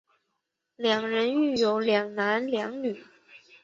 两人育有两男两女。